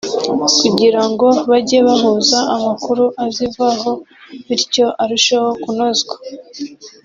kugira ngo bajye bahuza amakuru azivaho bityo arushesho kunozwa